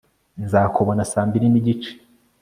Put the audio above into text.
nzakubona saa mbiri n'igice